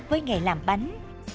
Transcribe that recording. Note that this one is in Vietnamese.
với ngày làm bánh